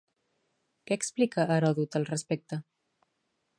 Què explica Heròdot al respecte?